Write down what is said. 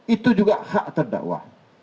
itu juga hak terdakwa